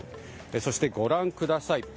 そしてご覧ください。